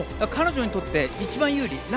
彼女にとって一番有利。